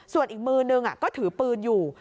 ส่วนอีกมือนึงก็ถือปืนอยู่